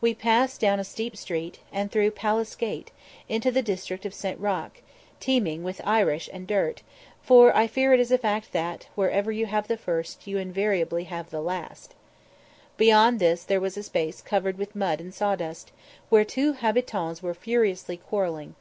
We passed down a steep street, and through Palace gate, into the district of St. Roch, teeming with Irish and dirt, for I fear it is a fact that, wherever you have the first, you invariably have the last. Beyond this there was a space covered with mud and sawdust, where two habitans were furiously quarrelling.